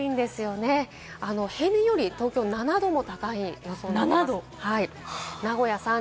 平年より東京は７度も高い予想です。